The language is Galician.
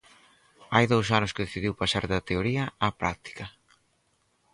Hai dous anos que decidiu pasar da teoría á práctica.